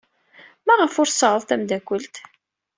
Maɣef ur tseɛɛuḍ tameddakelt?